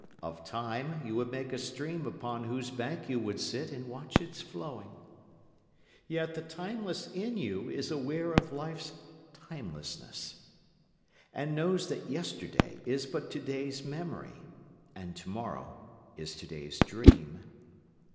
Of time you would make a stream upon whose bank you would sit and watch its flowing. Yet the timeless in you is aware of life's timelessness, And knows that yesterday is but today's memory and tomorrow is today's dream.